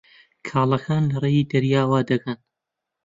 کاڵاکان لەڕێی دەریاوە دەگەن.